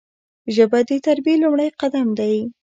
ژبه د تربیې لومړی قدم دی